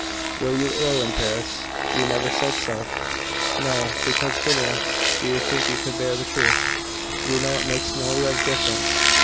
"Were you ill in Paris? You never said so." "No because Phineas, do you think you could bear the truth? You know it makes no real difference.